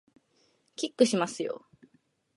キックしますよ